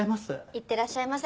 いってらっしゃいませ。